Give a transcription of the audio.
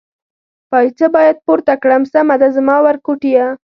پایڅه باید پورته کړم، سمه ده زما ورکوټیه.